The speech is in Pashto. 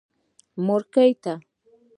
مورکۍ تا.